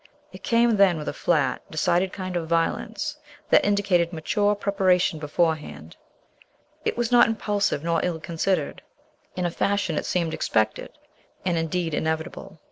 It came then with a flat, decided kind of violence that indicated mature preparation beforehand. It was not impulsive nor ill considered. In a fashion it seemed expected, and indeed inevitable.